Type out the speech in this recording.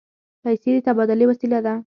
پیسې د تبادلې وسیله ده.